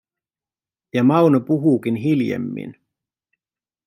Ja Mauno puhuukin hiljemmin.